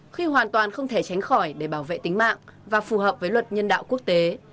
khi hoàn toàn không thể tránh khỏi để bảo vệ tính mạng và phù hợp với luật nhân đạo quốc tế